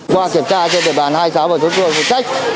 qua kiểm tra trên địa bàn hai mươi sáu và xuống phương phục trách